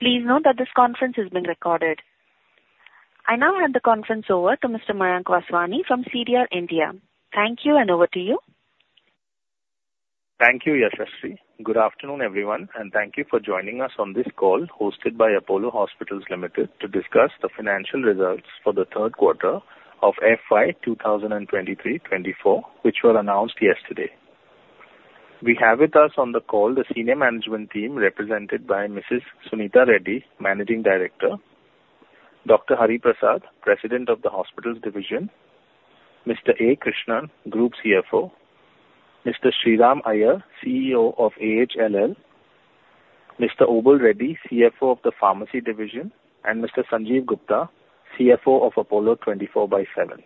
Please note that this conference is being recorded. I now hand the conference over to Mr. Mayank Vaswani from CDR India. Thank you, and over to you. Thank you, Yashashree. Good afternoon, everyone, and thank you for joining us on this call hosted by Apollo Hospitals Limited to discuss the financial results for the third quarter of FY 2023-FY 2024, which were announced yesterday. We have with us on the call the senior management team represented by Mrs. Suneeta Reddy, Managing Director, Dr. Hari Prasad, President of the Hospitals Division, Mr. A. Krishnan, Group CFO, Mr. Sriram Iyer, CEO of AHLL, Mr. Obul Reddy, CFO of the Pharmacy Division, and Mr. Sanjiv Gupta, CFO of Apollo 24/7.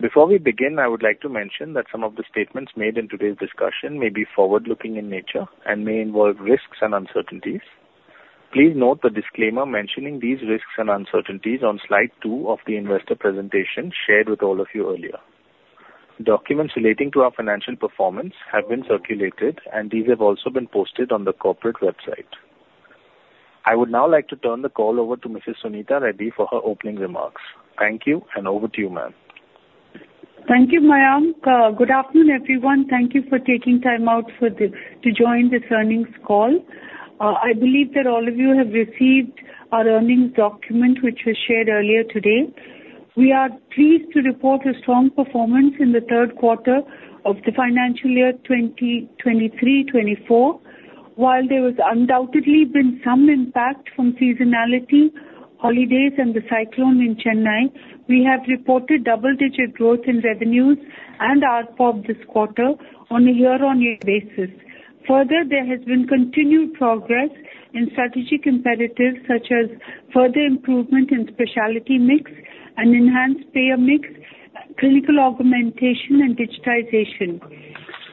Before we begin, I would like to mention that some of the statements made in today's discussion may be forward-looking in nature and may involve risks and uncertainties. Please note the disclaimer mentioning these risks and uncertainties on slide two of the investor presentation shared with all of you earlier. Documents relating to our financial performance have been circulated, and these have also been posted on the corporate website. I would now like to turn the call over to Mrs. Suneeta Reddy for her opening remarks. Thank you, and over to you, ma'am. Thank you, Mayank. Good afternoon, everyone. Thank you for taking time out to join this earnings call. I believe that all of you have received our earnings document, which was shared earlier today. We are pleased to report a strong performance in the third quarter of the financial year 2023-2024. While there has undoubtedly been some impact from seasonality, holidays, and the cyclone in Chennai, we have reported double-digit growth in revenues and ARPOB this quarter on a year-on-year basis. Further, there has been continued progress in strategic imperatives such as further improvement in specialty mix, an enhanced payer mix, clinical augmentation, and digitization.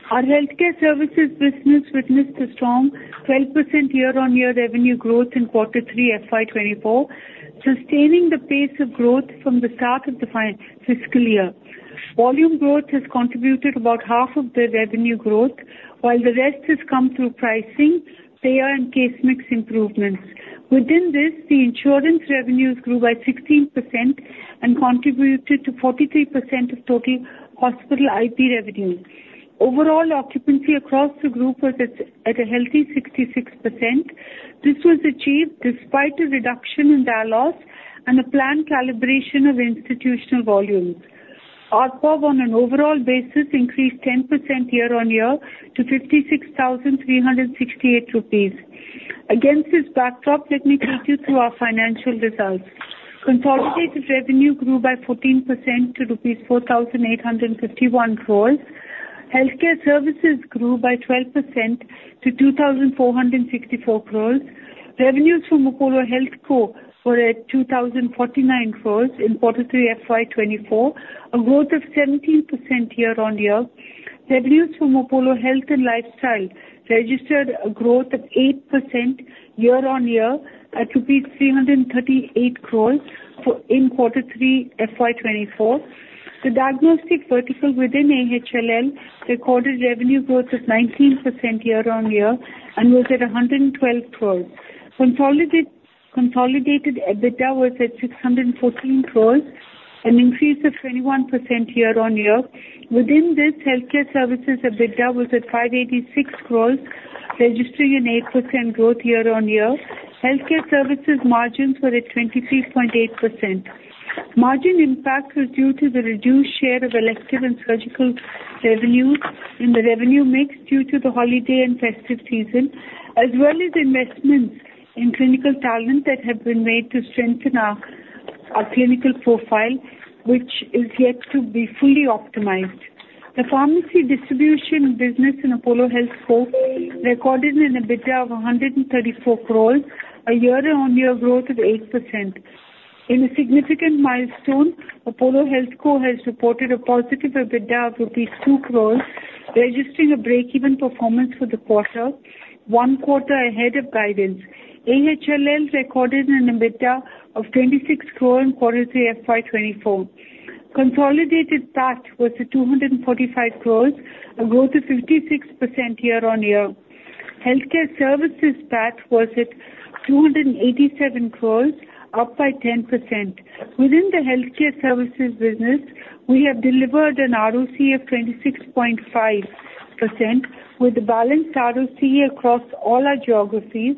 Our healthcare services business witnessed a strong 12% year-on-year revenue growth in quarter three FY 2024, sustaining the pace of growth from the start of the fiscal year. Volume growth has contributed about half of the revenue growth, while the rest has come through pricing, payer, and case mix improvements. Within this, the insurance revenues grew by 16% and contributed to 43% of total hospital IP revenue. Overall occupancy across the group was at a healthy 66%. This was achieved despite a reduction in dialysis and a planned calibration of institutional volumes. ARPOB, on an overall basis, increased 10% year-on-year to 56,368 rupees. Against this backdrop, let me take you through our financial results. Consolidated revenue grew by 14% to rupees 4,851 crore. Healthcare services grew by 12% to 2,464 crore. Revenues from Apollo HealthCo were at 2,049 crore in quarter three FY 2024, a growth of 17% year-on-year. Revenues from Apollo Health and Lifestyle registered a growth of 8% year-on-year at INR 338 crore in quarter three FY 2024. The diagnostic vertical within AHLL recorded revenue growth of 19% year-on-year and was at 112 crore. Consolidated EBITDA was at 614 crore, an increase of 21% year-on-year. Within this, healthcare services EBITDA was at 586 crore, registering an 8% growth year-on-year. Healthcare services margins were at 23.8%. Margin impact was due to the reduced share of elective and surgical revenues in the revenue mix due to the holiday and festive season, as well as investments in clinical talent that have been made to strengthen our clinical profile, which is yet to be fully optimized. The pharmacy distribution business in Apollo HealthCo recorded an EBITDA of 134 crore, a year-on-year growth of 8%. In a significant milestone, Apollo HealthCo has reported a positive EBITDA of INR 2 crore, registering a break-even performance for the quarter, one quarter ahead of guidance. AHLL recorded an EBITDA of 26 crore in quarter three FY 2024. Consolidated PAT was at 245 crore, a growth of 56% year-on-year. Healthcare services PAT was at 287 crore, up by 10%. Within the healthcare services business, we have delivered an ROC of 26.5% with balanced ROC across all our geographies,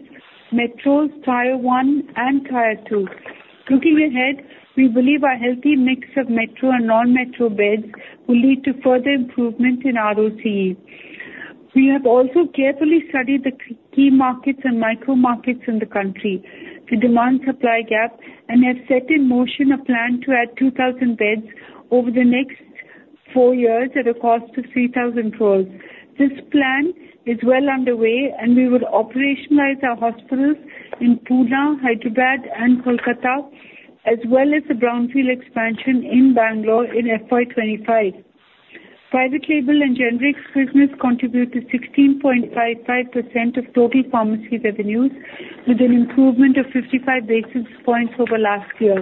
metros, tier 1, and tier 2. Looking ahead, we believe a healthy mix of metro and non-metro beds will lead to further improvement in ROCE. We have also carefully studied the key markets and micro markets in the country, the demand-supply gap, and have set in motion a plan to add 2,000 beds over the next four years at a cost of 3,000 crore. This plan is well underway, and we will operationalize our hospitals in Pune, Hyderabad, and Kolkata, as well as a brownfield expansion in Bangalore in FY 2025. Private label and generics business contribute to 16.55% of total pharmacy revenues, with an improvement of 55 basis points over last year.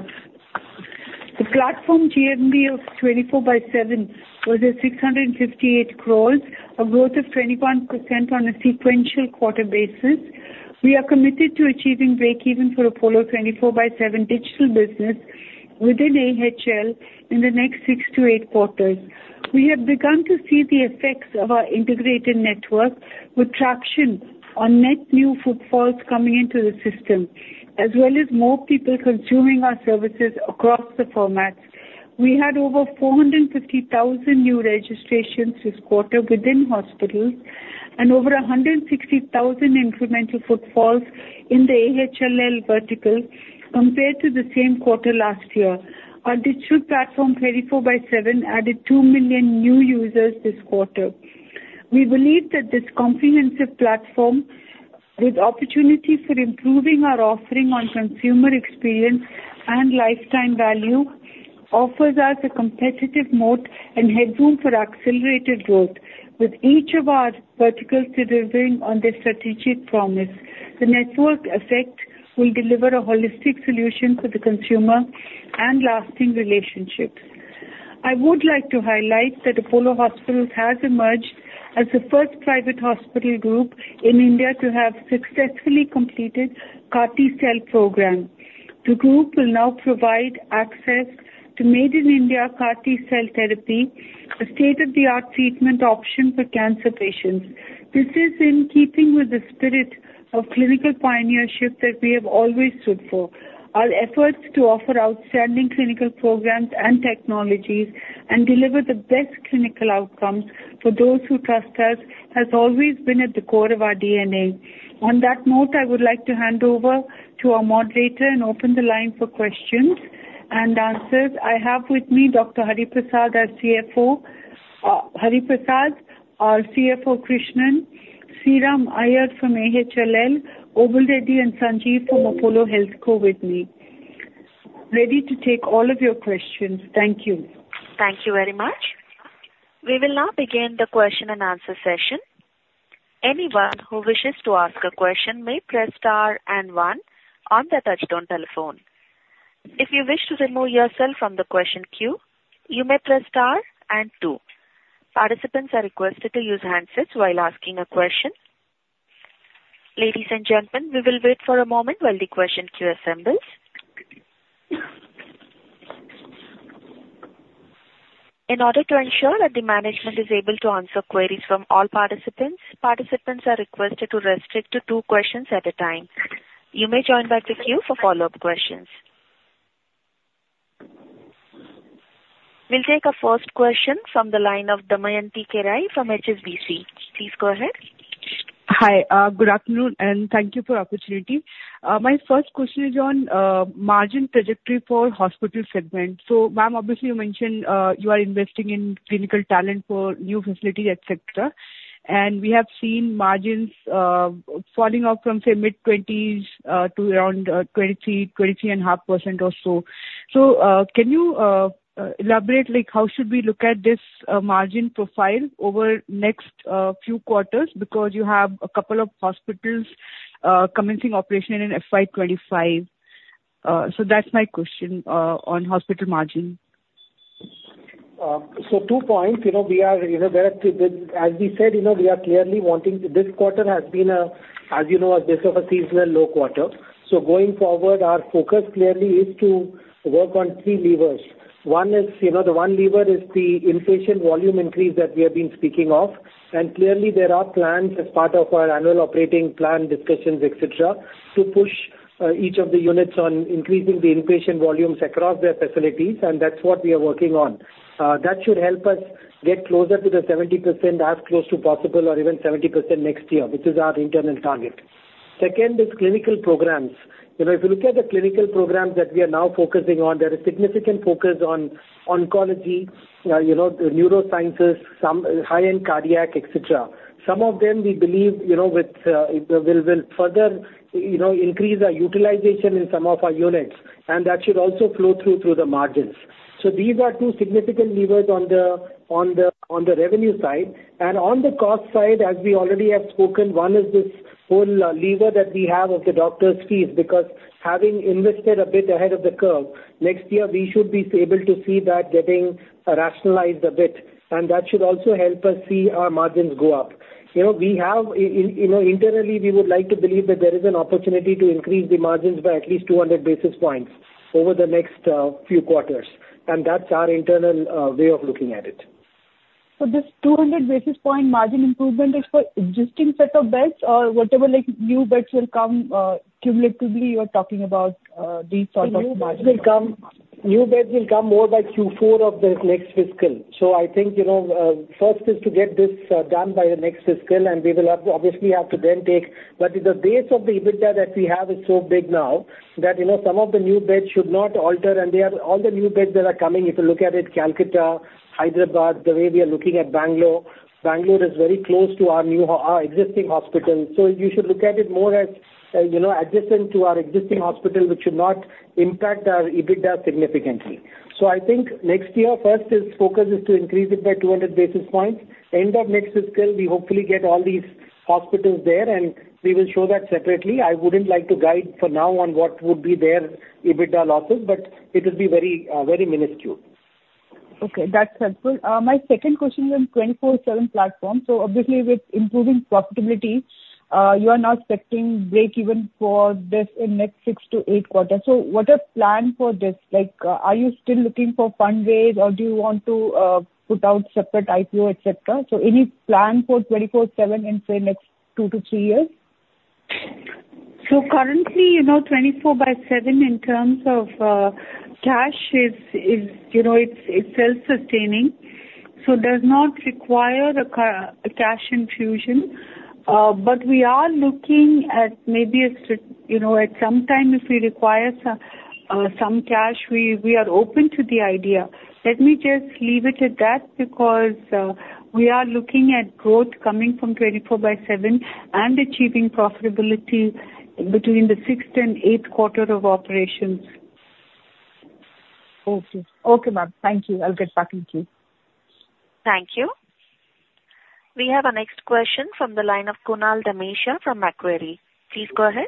The platform GMV of 24/7 was at 658 crore, a growth of 21% on a sequential quarter basis. We are committed to achieving break-even for Apollo 24/7 digital business within AHL in the next six to eight quarters. We have begun to see the effects of our integrated network with traction on net new footfalls coming into the system, as well as more people consuming our services across the formats. We had over 450,000 new registrations this quarter within hospitals and over 160,000 incremental footfalls in the AHLL vertical compared to the same quarter last year. Our digital platform 24/7 added two million new users this quarter. We believe that this comprehensive platform, with opportunity for improving our offering on consumer experience and lifetime value, offers us a competitive moat and headroom for accelerated growth. With each of our verticals delivering on their strategic promise, the network effect will deliver a holistic solution for the consumer and lasting relationships. I would like to highlight that Apollo Hospitals has emerged as the first private hospital group in India to have successfully completed CAR-T cell program. The group will now provide access to Made in India CAR-T cell therapy, a state-of-the-art treatment option for cancer patients. This is in keeping with the spirit of clinical pioneership that we have always stood for. Our efforts to offer outstanding clinical programs and technologies and deliver the best clinical outcomes for those who trust us have always been at the core of our DNA. On that note, I would like to hand over to our moderator and open the line for questions and answers. I have with me Dr. Hari Prasad; our Group CFO, Krishnan; Sriram Iyer from AHLL; Obul Reddy and Sanjiv from Apollo HealthCo with me. Ready to take all of your questions. Thank you. Thank you very much. We will now begin the question and answer session. Anyone who wishes to ask a question may press star and one on the touch-tone telephone. If you wish to remove yourself from the question queue, you may press star and two. Participants are requested to use handsets while asking a question. Ladies and gentlemen, we will wait for a moment while the question queue assembles. In order to ensure that the management is able to answer queries from all participants, participants are requested to restrict to two questions at a time. You may join back the queue for follow-up questions. We'll take a first question from the line of Damayanti Kerai from HSBC. Please go ahead. Hi. Good afternoon, and thank you for the opportunity. My first question is on margin trajectory for hospital segment. Ma'am, obviously, you mentioned you are investing in clinical talent for new facilities, etc., and we have seen margins falling off from, say, mid-20s% to around 23%-23.5% or so. Can you elaborate how should we look at this margin profile over the next few quarters because you have a couple of hospitals commencing operation in FY 2025? That's my question on hospital margin. Two points. We are directly as we said, we are clearly wanting this quarter has been a, as you know, a bit of a seasonal low quarter. Going forward, our focus clearly is to work on three levers. One is the one lever is the inpatient volume increase that we have been speaking of. Clearly, there are plans as part of our annual operating plan discussions, etc., to push each of the units on increasing the inpatient volumes across their facilities, and that's what we are working on. That should help us get closer to the 70% as close as possible or even 70% next year, which is our internal target. Second is clinical programs. If you look at the clinical programs that we are now focusing on, there is significant focus on oncology, neurosciences, high-end cardiac, etc. Some of them, we believe, will further increase our utilization in some of our units, and that should also flow through the margins. So these are two significant levers on the revenue side. And on the cost side, as we already have spoken, one is this whole lever that we have of the doctors' fees because having invested a bit ahead of the curve, next year we should be able to see that getting rationalized a bit, and that should also help us see our margins go up. Internally, we would like to believe that there is an opportunity to increase the margins by at least 200 basis points over the next few quarters. And that's our internal way of looking at it. This 200 basis points margin improvement is for existing set of beds or whatever new beds will come cumulatively? You're talking about these sort of margins. New beds will come more by Q4 of the next fiscal. So I think first is to get this done by the next fiscal, and we will obviously have to then take but the base of the EBITDA that we have is so big now that some of the new beds should not alter. And all the new beds that are coming, if you look at it, Kolkata, Hyderabad, the way we are looking at Bangalore, Bangalore is very close to our existing hospital. So you should look at it more as adjacent to our existing hospital, which should not impact our EBITDA significantly. So I think next year, first focus is to increase it by 200 basis points. End of next fiscal, we hopefully get all these hospitals there, and we will show that separately. I wouldn't like to guide for now on what would be their EBITDA losses, but it will be very, very minuscule. Okay. That's helpful. My second question is on 24/7 platform. So obviously, with improving profitability, you are now expecting break-even for this in the next six to eight quarters. So what's the plan for this? Are you still looking for fundraise, or do you want to put out a separate IPO, etc.? So any plan for 24/7 in, say, the next two to three years? So currently, 24/7 in terms of cash, it's self-sustaining. So it does not require a cash infusion. But we are looking at maybe at some time, if we require some cash, we are open to the idea. Let me just leave it at that because we are looking at growth coming from 24/7 and achieving profitability between the sixth and eighth quarter of operations. Okay. Okay, ma'am. Thank you. I'll get back into it. Thank you. We have a next question from the line of Kunal Dhamesha from Macquarie. Please go ahead.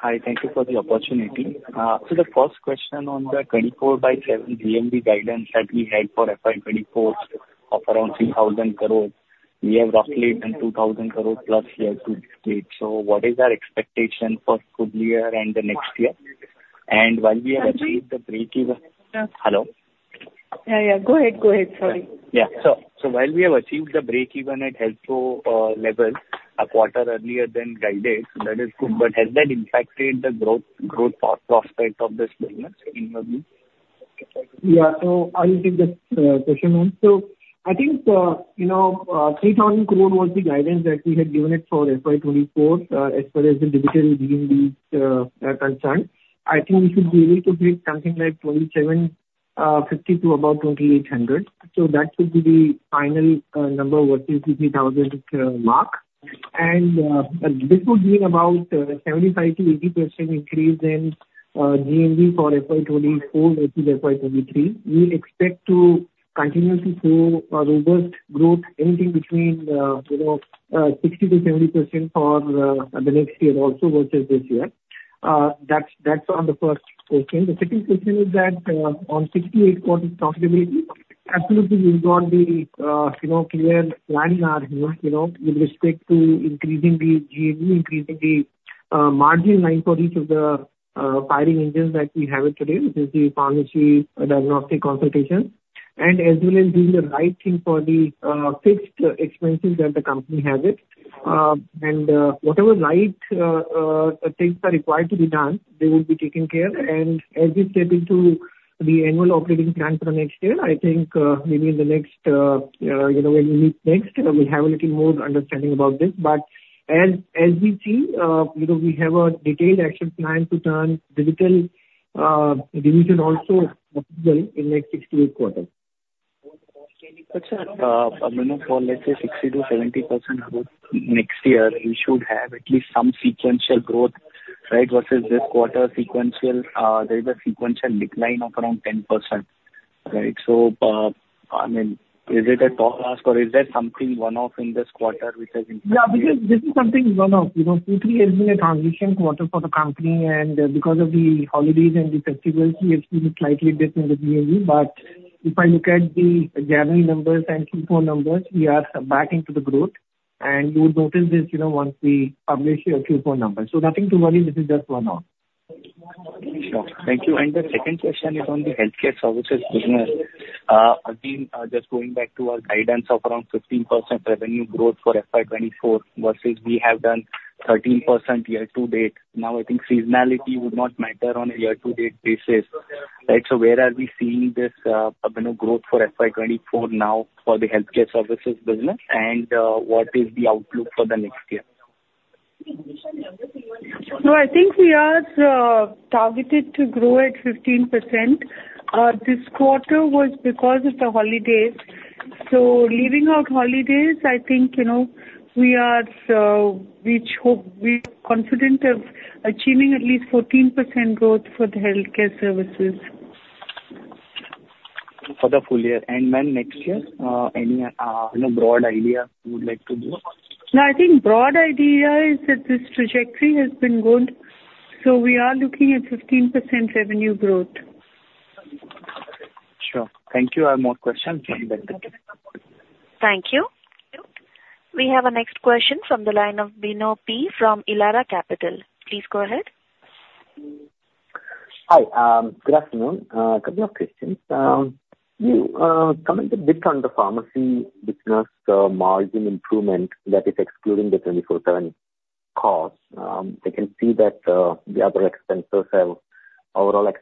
Hi. Thank you for the opportunity. So the first question on the 24/7 GMV guidance that we had for FY 2024 of around 3,000 crore, we have roughly done 2,000 crore plus here to date. So what is our expectation for Q4 and the next year? And while we have achieved the break-even hello? Yeah, yeah. Go ahead. Go ahead. Sorry. Yeah. So while we have achieved the break-even at HealthCo level a quarter earlier than guided, that is good. But has that impacted the growth prospect of this business in your view? Yeah. So I'll take this question, ma'am. So I think 3,000 crore was the guidance that we had given it for FY 2024 as far as the digital GMV concerns. I think we should be able to hit something like 2,750 crore to about 2,800 crore. So that could be the final number versus the 3,000 crore mark. And this would mean about 75%-80% increase in GMV for FY 2024 versus FY 2023. We expect to continue to show robust growth, anything between 60%-70% for the next year also versus this year. That's on the first question. The second question is that on six to eight quarters profitability, absolutely, we've got the clear plan in our hands with respect to increasing the GMV, increasing the margin line for each of the firing engines that we have it today, which is the pharmacy diagnostic consultation, and as well as doing the right thing for the fixed expenses that the company has it. Whatever right things are required to be done, they will be taken care. As we step into the annual operating plan for the next year, I think maybe in the next when we meet next, we'll have a little more understanding about this. But as we see, we have a detailed action plan to turn digital division also profitable in the next six to eight quarters. But for, let's say, 60%-70% growth next year, we should have at least some sequential growth, right, versus this quarter sequential there is a sequential decline of around 10%, right? So I mean, is it a top ask, or is there something one-off in this quarter which has impacted? Yeah. This is something one-off. Two, three years been a transition quarter for the company. And because of the holidays and the festivals, we have seen a slightly different GMV. But if I look at the January numbers and Q4 numbers, we are back into the growth. And you would notice this once we publish your Q4 numbers. So nothing to worry. This is just one-off. Sure. Thank you. The second question is on the healthcare services business. Again, just going back to our guidance of around 15% revenue growth for FY 2024 versus we have done 13% year-to-date. Now, I think seasonality would not matter on a year-to-date basis, right? So where are we seeing this growth for FY 2024 now for the healthcare services business, and what is the outlook for the next year? So I think we are targeted to grow at 15%. This quarter was because of the holidays. So leaving out holidays, I think we are confident of achieving at least 14% growth for the healthcare services. For the full year. And ma'am, next year, any broad idea you would like to give? No, I think broad idea is that this trajectory has been good. So we are looking at 15% revenue growth. Sure. Thank you. I have more questions. I'll get back to you. Thank you. We have a next question from the line of Bino P. from Elara Capital. Please go ahead. Hi. Good afternoon. A couple of questions. You commented a bit on the pharmacy business margin improvement that is excluding the 24/7 cost. I can see that the other expenses have overall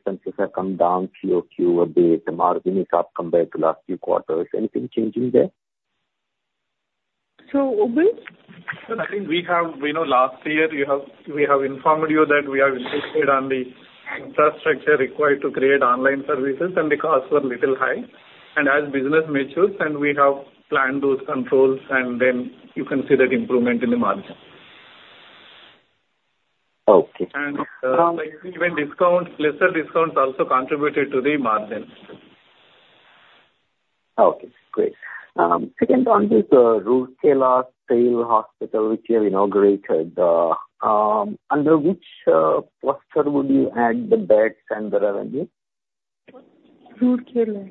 come down quarter-over-quarter a bit. The margin is up compared to last few quarters. Anything changing there? So Obul? Well, I think we have last year, we have informed you that we are interested in the infrastructure required to create online services, and the costs were a little high. As business matures, we have planned those controls, and then you can see that improvement in the margin. Okay. Even discounts, lesser discounts also contributed to the margin. Okay. Great. Second on this is Rourkela Hospital, which you have inaugurated. Under which cluster would you add the beds and the revenue? Rourkela.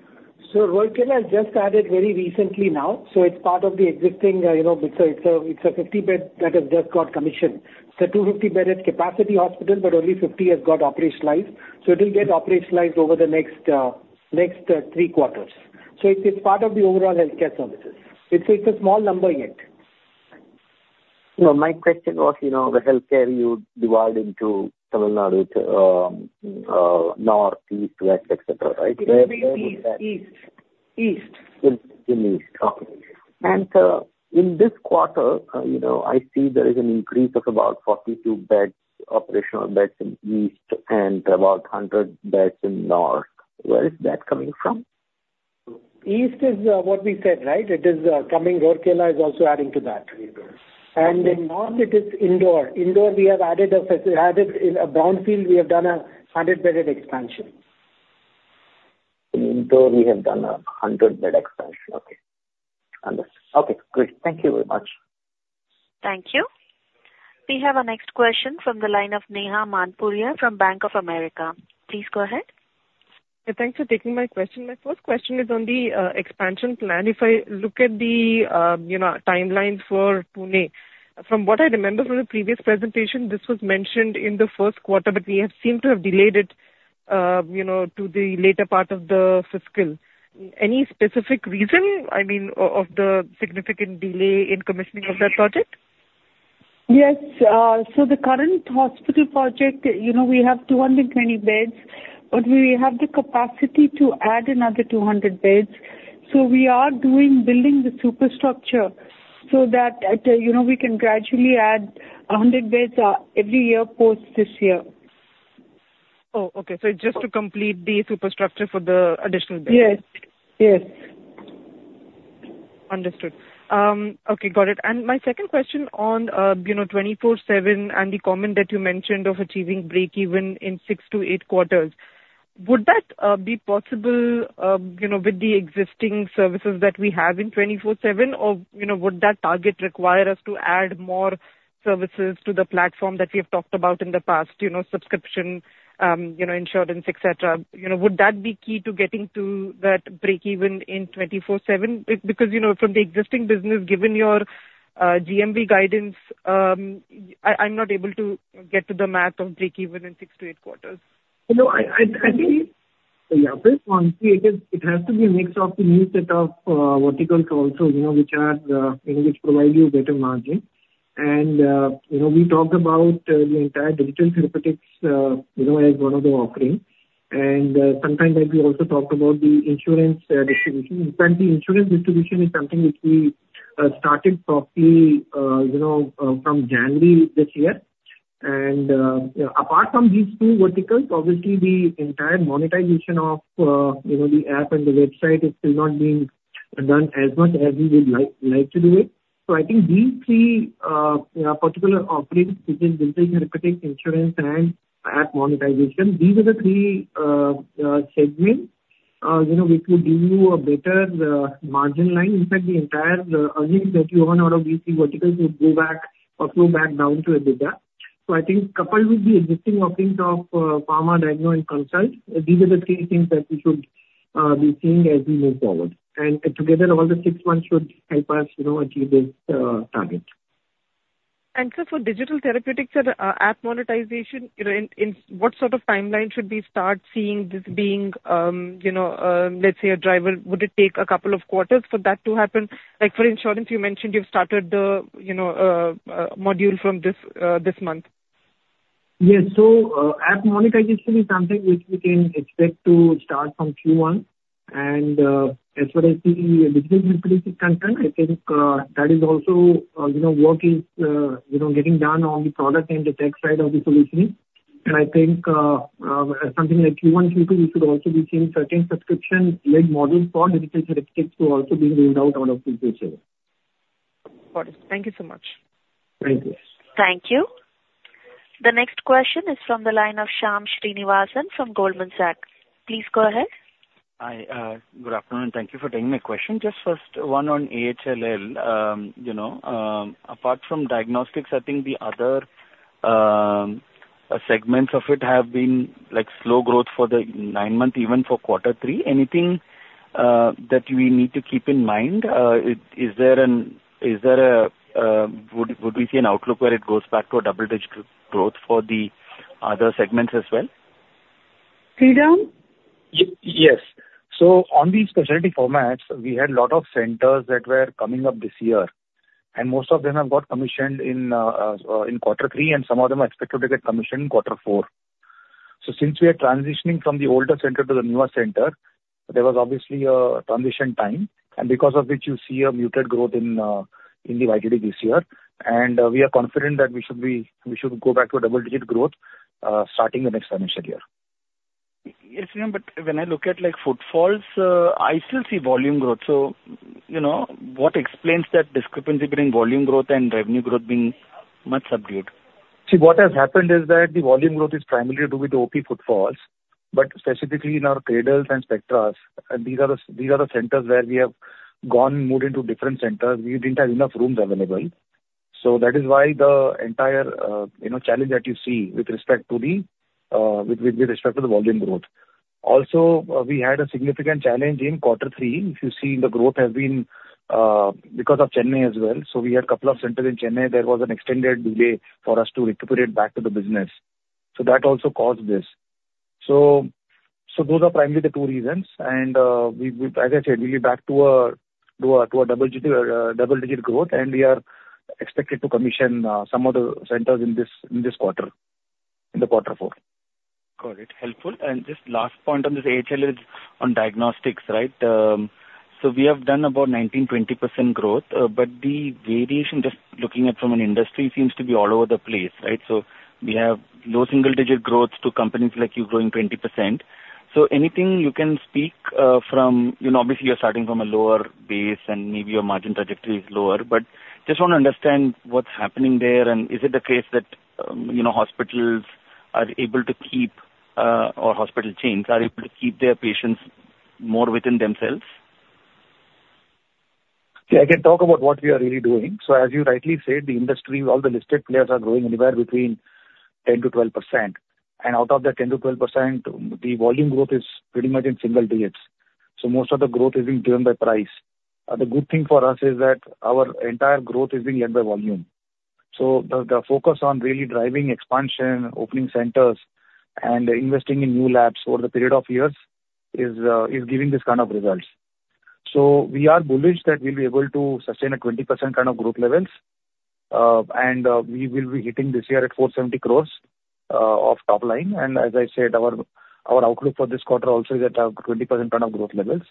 Rourkela is just added very recently now. It's part of the existing, it's a 50-bed that has just got commissioned. It's a 250-bed capacity hospital, but only 50 have got operationalized. So it will get operationalized over the next three quarters. So it's part of the overall healthcare services. It's a small number yet. My question was the healthcare you divide into Tamil Nadu, Northeast, West, etc., right? It will be east. East. In the east. Okay. In this quarter, I see there is an increase of about 42 operational beds in East and about 100 beds in North. Where is that coming from? East is what we said, right? Rourkela is also adding to that. And in North, it is Indore. Indore, we have added a brownfield, we have done a 100-bedded expansion. In Indore, we have done a 100-bedded expansion. Okay. Understood. Okay. Great. Thank you very much. Thank you. We have a next question from the line of Neha Manpuria from Bank of America. Please go ahead. Thanks for taking my question. My first question is on the expansion plan. If I look at the timeline for Pune, from what I remember from the previous presentation, this was mentioned in the first quarter, but we have seemed to have delayed it to the later part of the fiscal. Any specific reason, I mean, of the significant delay in commissioning of that project? Yes. So the current hospital project, we have 220 beds, but we have the capacity to add another 200 beds. So we are building the superstructure so that we can gradually add 100 beds every year post this year. Oh, okay. So it's just to complete the superstructure for the additional beds? Yes. Yes. Understood. Okay. Got it. And my second question on 24/7 and the comment that you mentioned of achieving break-even in six to eight quarters, would that be possible with the existing services that we have in 24/7, or would that target require us to add more services to the platform that we have talked about in the past, subscription, insurance, etc.? Would that be key to getting to that break-even in 24/7? Because from the existing business, given your GMV guidance, I'm not able to get to the math of break-even in 6-8 quarters. I think the first one, it has to be a mix of the new set of verticals also which provide you better margin. And we talked about the entire digital therapeutics as one of the offerings. And sometimes we also talked about the insurance distribution. In fact, the insurance distribution is something which we started properly from January this year. And apart from these two verticals, obviously, the entire monetization of the app and the website is still not being done as much as we would like to do it. So I think these three particular offerings, which is digital therapeutics, insurance, and app monetization, these are the three segments which would give you a better margin line. In fact, the entire earnings that you earn out of these three verticals would go back or flow back down to EBITDA. I think coupled with the existing offerings of pharma, diagnose, and consult, these are the three things that we should be seeing as we move forward. Together, all the six ones should help us achieve this target. And so for digital therapeutics and app monetization, in what sort of timeline should we start seeing this being, let's say, a driver? Would it take a couple of quarters for that to happen? For insurance, you mentioned you've started the module from this month. Yes. So app monetization is something which we can expect to start from Q1. As far as the digital therapeutics is concerned, I think that is also work is getting done on the product and the tech side of the solution. I think something like Q1, Q2, we should also be seeing certain subscription-led models for digital therapeutics too also being rolled out out of the future. Got it. Thank you so much. Thank you. Thank you. The next question is from the line of Shyam Srinivasan from Goldman Sachs. Please go ahead. Hi. Good afternoon. Thank you for taking my question. Just first, one on AHLL. Apart from diagnostics, I think the other segments of it have been slow growth for the nine-month, even for quarter three. Anything that we need to keep in mind? Is there a would we see an outlook where it goes back to a double-digit growth for the other segments as well? Sriram? Yes. On these specialty formats, we had a lot of centers that were coming up this year. Most of them have got commissioned in quarter three, and some of them are expected to get commissioned in quarter four. Since we are transitioning from the older center to the newer center, there was obviously a transition time, and because of which you see a muted growth in the YTD this year. We are confident that we should go back to double-digit growth starting the next financial year. Yes, ma'am. But when I look at footfalls, I still see volume growth. So what explains that discrepancy between volume growth and revenue growth being much subdued? See, what has happened is that the volume growth is primarily due to OP Footfalls. But specifically in our Cradles and Spectras, these are the centers where we have gone, moved into different centers. We didn't have enough rooms available. So that is why the entire challenge that you see with respect to the volume growth. Also, we had a significant challenge in quarter three. If you see, the growth has been because of Chennai as well. So we had a couple of centers in Chennai. There was an extended delay for us to recuperate back to the business. So that also caused this. So those are primarily the two reasons. And as I said, we'll be back to a double-digit growth, and we are expected to commission some of the centers in this quarter, in the quarter four. Got it. Helpful. And just last point on this AHLL is on diagnostics, right? So we have done about 19%-20% growth, but the variation just looking at from an industry seems to be all over the place, right? So we have low single-digit growth to companies like you growing 20%. So anything you can speak from obviously, you're starting from a lower base, and maybe your margin trajectory is lower. But just want to understand what's happening there, and is it the case that hospitals are able to keep or hospital chains are able to keep their patients more within themselves? See, I can talk about what we are really doing. As you rightly said, the industry, all the listed players are growing anywhere between 10%-12%. And out of that 10%-12%, the volume growth is pretty much in single digits. So most of the growth is being driven by price. The good thing for us is that our entire growth is being led by volume. So the focus on really driving expansion, opening centers, and investing in new labs over the period of years is giving this kind of results. So we are bullish that we'll be able to sustain at 20% kind of growth levels. And we will be hitting this year at 470 crore of top line. And as I said, our outlook for this quarter also is at 20% kind of growth levels.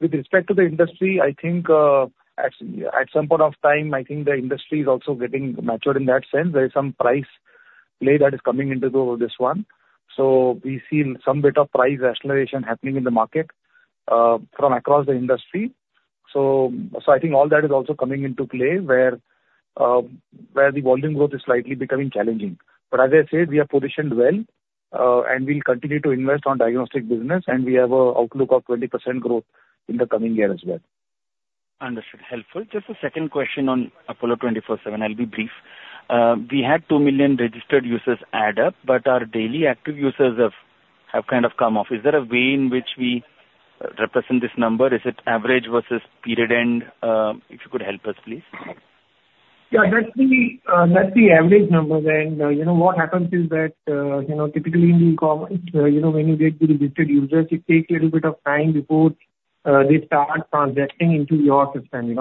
With respect to the industry, I think at some point of time, I think the industry is also getting matured in that sense. There is some price play that is coming into this one. So we see some bit of price rationalization happening in the market from across the industry. So I think all that is also coming into play where the volume growth is slightly becoming challenging. But as I said, we are positioned well, and we'll continue to invest on diagnostic business, and we have an outlook of 20% growth in the coming year as well. Understood. Helpful. Just a second question on Apollo 24/7. I'll be brief. We had two million registered users add up, but our daily active users have kind of come off. Is there a way in which we represent this number? Is it average versus period end? If you could help us, please. Yeah. That's the average number. What happens is that typically in the e-commerce, when you get the registered users, it takes a little bit of time before they start transacting into your system.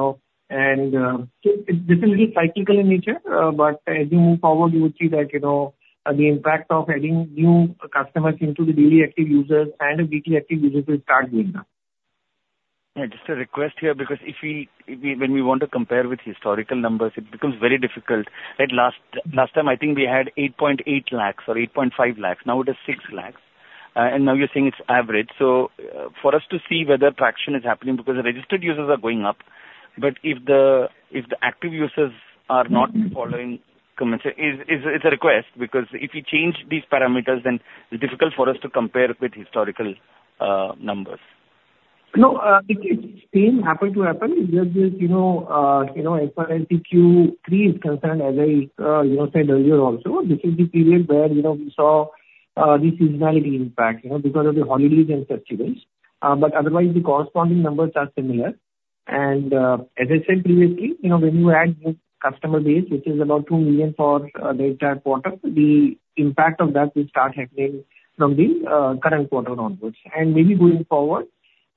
This is a little cyclical in nature, but as you move forward, you would see that the impact of adding new customers into the daily active users and the weekly active users will start going down. Just a request here because when we want to compare with historical numbers, it becomes very difficult. Last time, I think we had 8.8 lakhs or 8.5 lakhs. Now it is 6 lakhs. And now you're saying it's average. So for us to see whether traction is happening because the registered users are going up, but if the active users are not following commission, it's a request because if we change these parameters, then it's difficult for us to compare with historical numbers. No. It's been happen to happen. As far as the Q3 is concerned, as I said earlier also, this is the period where we saw the seasonality impact because of the holidays and festivals. But otherwise, the corresponding numbers are similar. And as I said previously, when you add new customer base, which is about 2 million for the entire quarter, the impact of that will start happening from the current quarter onwards. And maybe going forward,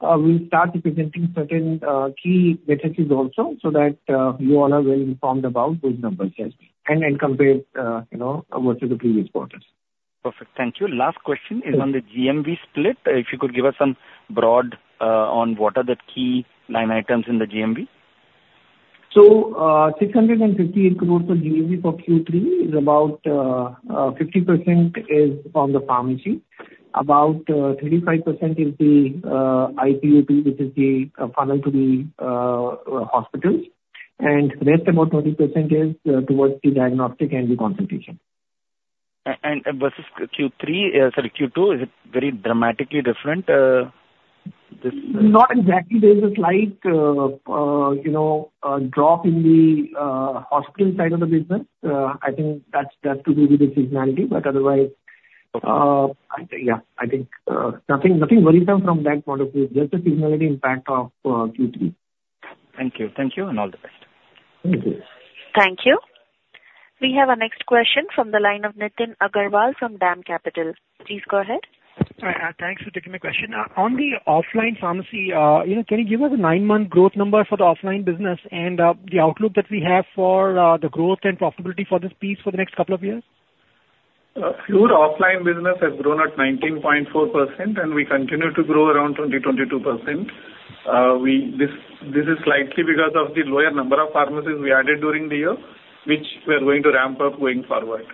we'll start representing certain key metrics also so that you all are well informed about those numbers and compare versus the previous quarters. Perfect. Thank you. Last question is on the GMV split. If you could give us some breakdown on what are the key line items in the GMV. 658 crore of GMV for Q3 is about 50% on the pharmacy, about 35% is the IP/OP, which is the funnel to the hospitals, and the rest about 20% is towards the diagnostic and the consultation. Versus Q3, sorry, Q2, is it very dramatically different, this? Not exactly. There's a slight drop in the hospital side of the business. I think that's to do with the seasonality. But otherwise, yeah, I think nothing worrisome from that point of view, just the seasonality impact of Q3. Thank you. Thank you, and all the best. Thank you. Thank you. We have a next question from the line of Nitin Agarwal from DAM Capital. Please go ahead. Thanks for taking my question. On the offline pharmacy, can you give us a nine month growth number for the offline business and the outlook that we have for the growth and profitability for this piece for the next couple of years? Our offline business has grown at 19.4%, and we continue to grow around 20%-22%. This is slightly because of the lower number of pharmacies we added during the year, which we are going to ramp up going forward.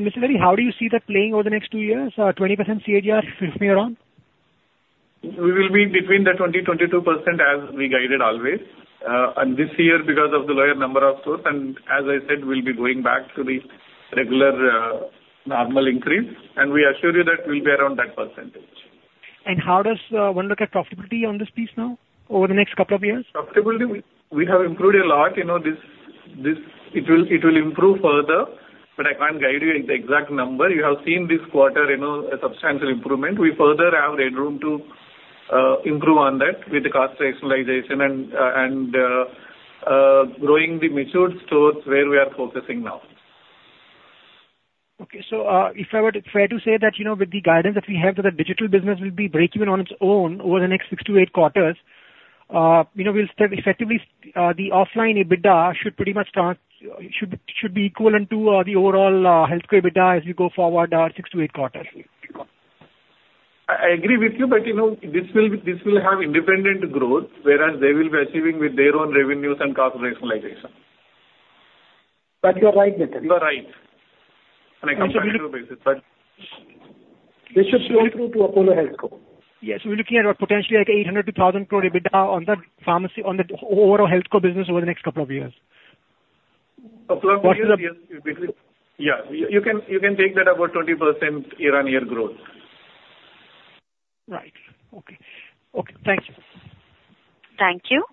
Mr. Reddy, how do you see that playing over the next two years? 20% CAGR, if you're on? We will be between 20%-22% as we guided always. And this year, because of the lower number of stores, and as I said, we'll be going back to the regular normal increase. And we assure you that we'll be around that percentage. How does one look at profitability on this piece now over the next couple of years? Profitability, we have improved a lot. It will improve further, but I can't guide you with the exact number. You have seen this quarter a substantial improvement. We further have room to improve on that with the cost rationalization and growing the matured stores where we are focusing now. Okay. So if I were to be fair to say that with the guidance that we have that the digital business will be breaking even on its own over the next 6-8 quarters, well, effectively the offline EBITDA should pretty much should be equal to the overall healthcare EBITDA as we go forward six to eight quarters. I agree with you, but this will have independent growth, whereas they will be achieving with their own revenues and cost rationalization. But you're right, Nitin. You are right. On a comparative basis, but. This should flow through to Apollo HealthCo. Yes. We're looking at potentially 800 -1,000 crore EBITDA on the overall healthcare business over the next couple of years. Apollo HealthCo, yes. You can take that about 20% year-on-year growth. Right. Okay. Okay. Thank you. Thank you.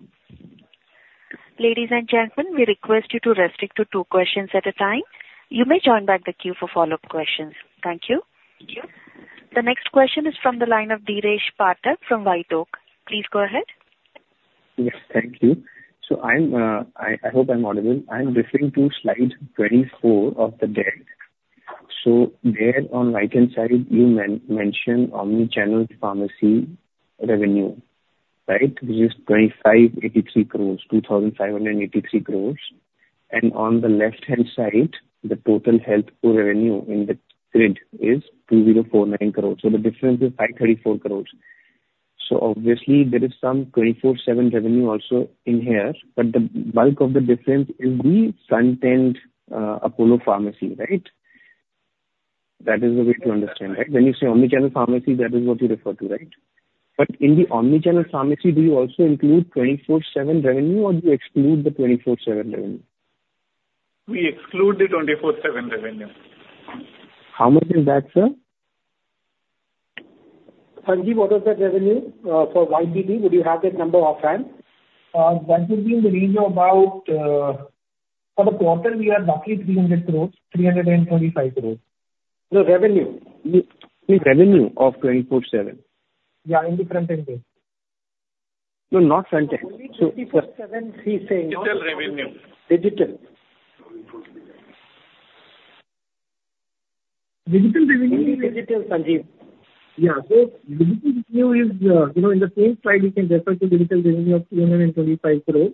Ladies and gentlemen, we request you to restrict to two questions at a time. You may join back the queue for follow-up questions. Thank you. The next question is from the line of Dheeresh Pathak from White Oak. Please go ahead. Yes. Thank you. So I hope I'm audible. I'm referring to slide 24 of the deck. So there on the right-hand side, you mentioned omnichannel pharmacy revenue, right, which is 2,583 crore, 2,583 crore. And on the left-hand side, the total healthcare revenue in the grid is 2,049 crore. So the difference is 534 crore. So obviously, there is some 24/7 revenue also in here, but the bulk of the difference is the front-end Apollo Pharmacy, right? That is the way to understand, right? When you say omnichannel pharmacy, that is what you refer to, right? But in the omnichannel pharmacy, do you also include 24/7 revenue, or do you exclude the 24/7 revenue? We exclude the 24/7 revenue. How much is that, sir? Sanjiv, what was that revenue for YTD? Would you have that number offhand? That would be in the range of about for the quarter, we are roughly 300 crore-325 crore. No, revenue. Revenue of 24/7. Yeah, in the front-end. No, not front-end. 24/7, he's saying. Digital revenue. Digital. Digital revenue. Digital, Sanjiv. Yeah. Digital revenue is in the same slide, you can refer to digital revenue of 325 crore.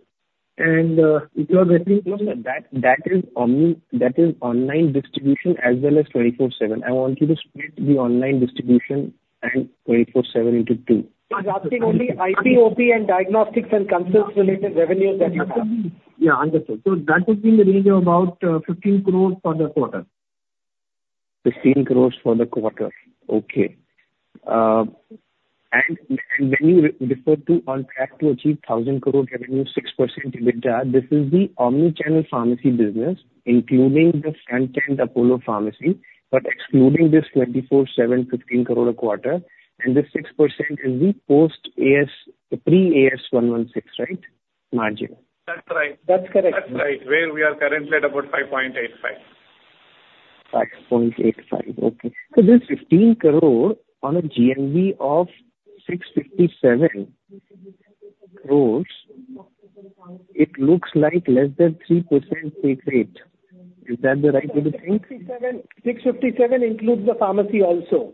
And if you are referring to. No, sir. That is online distribution as well as 24/7. I want you to split the online distribution and 24/7 into two. I was asking only IP/OP and diagnostics and consults-related revenues that you have. Yeah, understood. So that would be in the range of about 15 crore for the quarter. 15 crore for the quarter. Okay. And when you refer to on track to achieve 1,000 crore revenue, 6% EBITDA, this is the omnichannel pharmacy business including the front-end Apollo Pharmacy, but excluding this Apollo 24/7, 15 crore a quarter. And this 6% is the pre-Ind-AS 116 crore, right, margin. That's right. That's correct. That's right where we are currently at about 5.85%. Okay. So this 15 crore on a GMV of 657 crore, it looks like less than 3% take rate. Is that the right way to think? 657 crore includes the pharmacy also.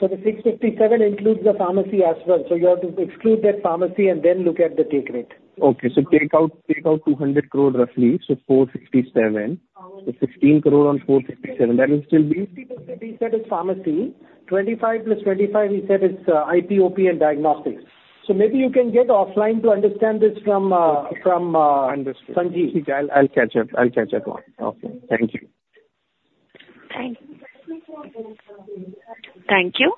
So the 657 crore includes the pharmacy as well. So you have to exclude that pharmacy and then look at the take rate. Okay. So take out 200 crore roughly, so 457 crore. So 15 crore on 457 crore. That will still be. 50%, he said, is pharmacy. 25 + 25, he said, is IP/OP and diagnostics. So maybe you can get offline to understand this from Sanjiv. Understood. See, I'll catch up. I'll catch up on. Okay. Thank you. Thank you.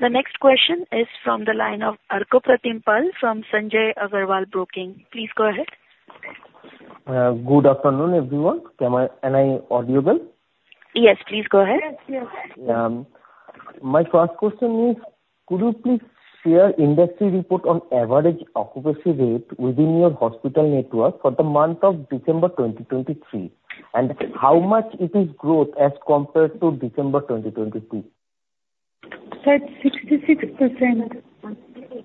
The next question is from the line of Arkopratim Pal from Sanjay Agarwal Broking. Please go ahead. Good afternoon, everyone. Can I audio well? Yes. Please go ahead. Yes, yes. My first question is, could you please share industry report on average occupancy rate within your hospital network for the month of December 2023, and how much it is growth as compared to December 2022? Said 66%.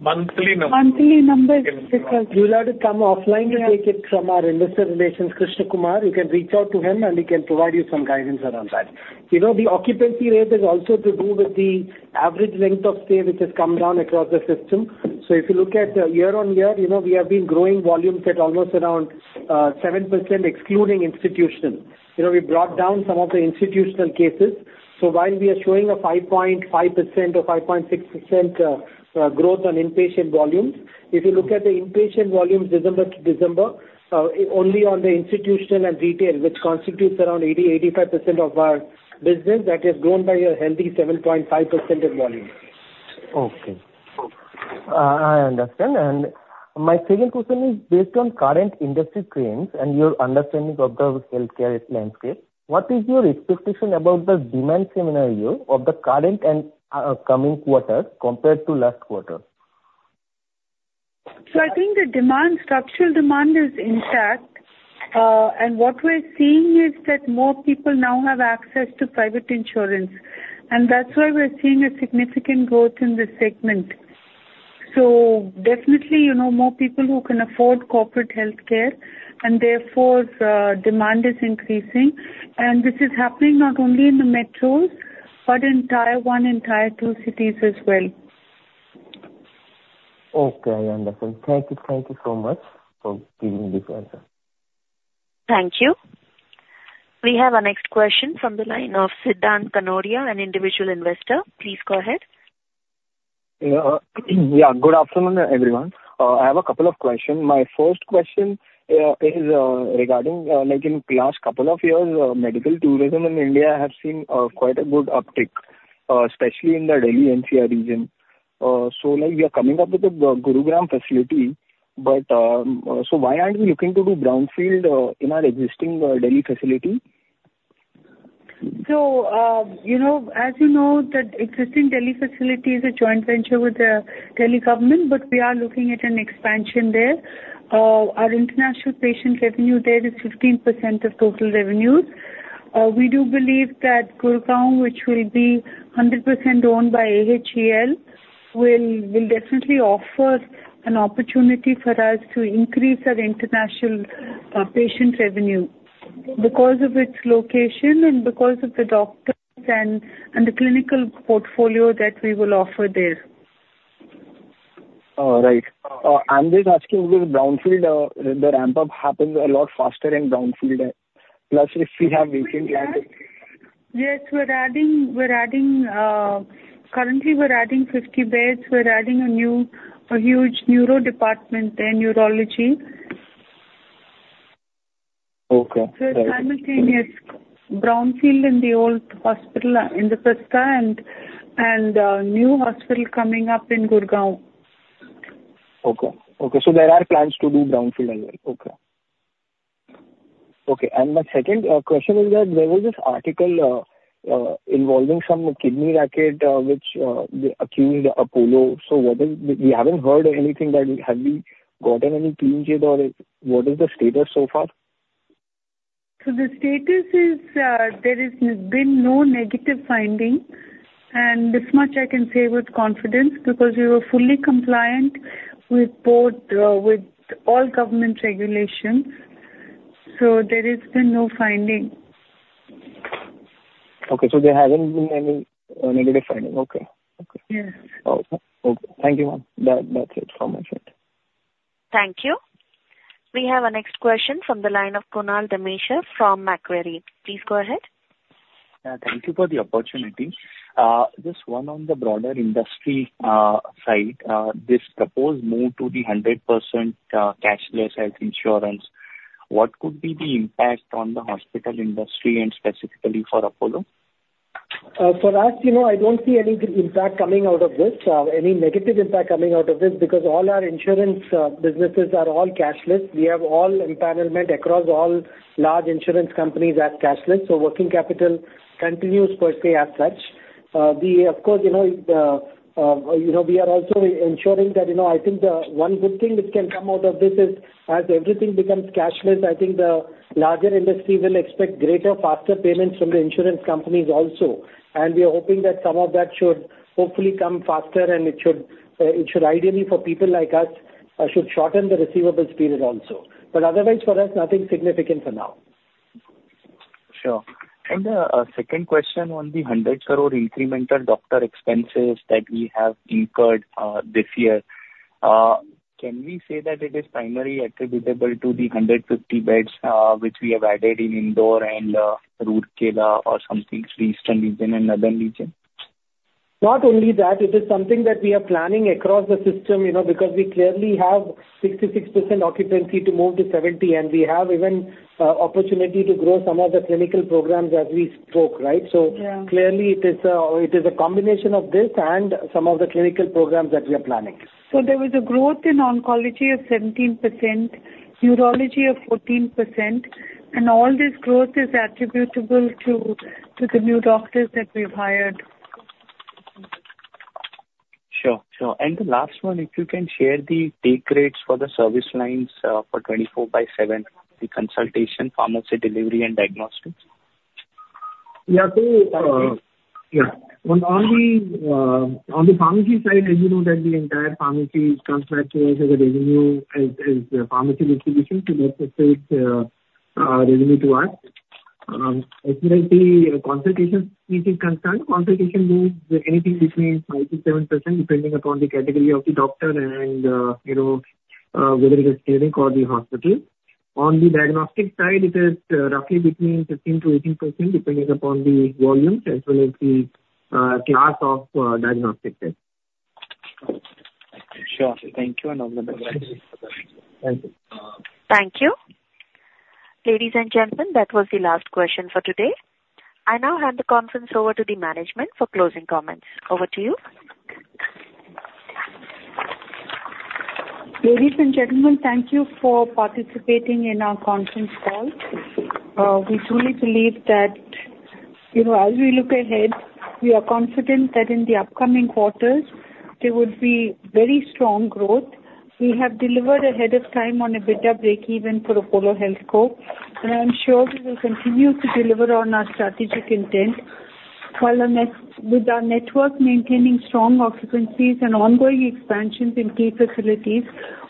Monthly number. Monthly number is because. You'll have to come offline to take it from our investor relations, Krishnakumar. You can reach out to him, and he can provide you some guidance around that. The occupancy rate is also to do with the average length of stay, which has come down across the system. So if you look at year-on-year, we have been growing volumes at almost around 7% excluding institutional. We brought down some of the institutional cases. So while we are showing a 5.5% or 5.6% growth on inpatient volumes, if you look at the inpatient volumes December to December, only on the institutional and retail, which constitutes around 80%-85% of our business, that has grown by a healthy 7.5% in volume. Okay. I understand. My second question is based on current industry trends and your understanding of the healthcare landscape. What is your expectation about the demand scenario of the current and coming quarter compared to last quarter? So I think the structural demand is intact. And what we're seeing is that more people now have access to private insurance. And that's why we're seeing a significant growth in this segment. So definitely, more people who can afford corporate healthcare, and therefore, demand is increasing. And this is happening not only in the metros but in tier two cities as well. Okay. Understood. Thank you. Thank you so much for giving this answer. Thank you. We have a next question from the line of Siddhant Kanodia, an individual investor. Please go ahead. Yeah. Good afternoon, everyone. I have a couple of questions. My first question is regarding in the last couple of years, medical tourism in India has seen quite a good uptick, especially in the Delhi-NCR region. So we are coming up with a Gurugram facility. So why aren't we looking to do brownfield in our existing Delhi facility? As you know, the existing Delhi facility is a joint venture with the Delhi government, but we are looking at an expansion there. Our international patient revenue there is 15% of total revenues. We do believe that Gurugram, which will be 100% owned by AHEL, will definitely offer an opportunity for us to increase our international patient revenue because of its location and because of the doctors and the clinical portfolio that we will offer there. Right. I'm just asking if the brownfield, the ramp-up happens a lot faster in brownfield, plus if we have vacant land? Yes. Currently, we're adding 50 beds. We're adding a huge neuro department there, neurology. So it's simultaneous, brownfield in the old hospital in Indraprastha and new hospital coming up in Gurugram. Okay. Okay. So there are plans to do brownfield as well. Okay. Okay. And my second question is that there was this article involving some kidney racket, which accused Apollo. So we haven't heard anything that have we gotten any clean chit, or what is the status so far? The status is there has been no negative finding. This much I can say with confidence because we were fully compliant with all government regulations. There has been no finding. Okay. So there haven't been any negative finding. Okay. Okay. Okay. Thank you, ma'am. That's it from my side. Thank you. We have a next question from the line of Kunal Dhamesha from Macquarie. Please go ahead. Thank you for the opportunity. Just one on the broader industry side. This proposed move to the 100% cashless health insurance. What could be the impact on the hospital industry, and specifically for Apollo? For us, I don't see any impact coming out of this, any negative impact coming out of this because all our insurance businesses are all cashless. We have all empanelment across all large insurance companies as cashless. So working capital continues per se as such. Of course, we are also ensuring that I think one good thing which can come out of this is as everything becomes cashless, I think the larger industry will expect greater, faster payments from the insurance companies also. And we are hoping that some of that should hopefully come faster, and it should ideally for people like us should shorten the receivables period also. But otherwise, for us, nothing significant for now. Sure. A second question on the 100 crore incremental doctor expenses that we have incurred this year. Can we say that it is primarily attributable to the 150 beds which we have added in Indore and rural or something for Eastern region and Northern region? Not only that. It is something that we are planning across the system because we clearly have 66% occupancy to move to 70%, and we have even opportunity to grow some of the clinical programs as we spoke, right? So clearly, it is a combination of this and some of the clinical programs that we are planning. There was a growth in oncology of 17%, neurology of 14%. All this growth is attributable to the new doctors that we've hired. Sure. Sure. The last one, if you can share the take rates for the service lines for 24/7, the consultation, pharmacy delivery, and diagnostics? Yeah. So yeah. On the pharmacy side, as you know, that the entire pharmacy contracts to us as a revenue as pharmacy distribution, so that's a straight revenue to us. As for the consultation piece is concerned, consultation moves anything between 5%-7% depending upon the category of the doctor and whether it is clinic or the hospital. On the diagnostic side, it is roughly between 15%-18% depending upon the volumes as well as the class of diagnostics. Sure. Thank you. And all the best for that. Thank you. Thank you. Ladies and gentlemen, that was the last question for today. I now hand the conference over to the management for closing comments. Over to you. Ladies and gentlemen, thank you for participating in our conference call. We truly believe that as we look ahead, we are confident that in the upcoming quarters, there would be very strong growth. We have delivered ahead of time on a bit of break-even for Apollo HealthCo. I'm sure we will continue to deliver on our strategic intent. With our network maintaining strong occupancies and ongoing expansions in key facilities,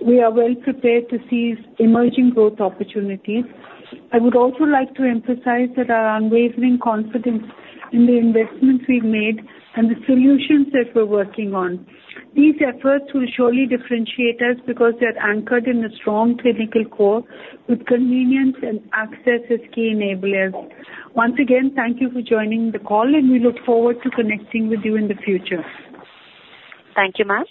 we are well prepared to seize emerging growth opportunities. I would also like to emphasize that our unwavering confidence in the investments we've made and the solutions that we're working on. These efforts will surely differentiate us because they're anchored in a strong clinical core with convenience and access as key enablers. Once again, thank you for joining the call, and we look forward to connecting with you in the future. Thank you, ma'am.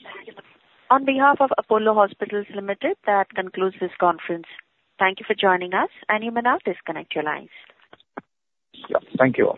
On behalf of Apollo Hospitals Limited, that concludes this conference. Thank you for joining us, and you may now disconnect your lines. Yep. Thank you.